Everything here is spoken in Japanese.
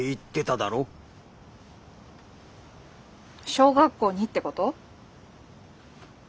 小学校にってこと？